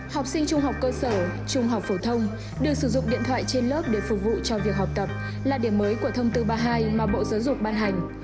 học sinh trung học cơ sở trung học phổ thông được sử dụng điện thoại trên lớp để phục vụ cho việc học tập là điểm mới của thông tư ba mươi hai mà bộ giáo dục ban hành